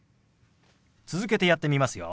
続けてやってみますよ。